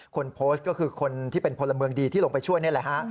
คนโพสต์ก็คือคนที่เป็นพลเมืองดีที่ลงไปช่วยนี่แหละฮะ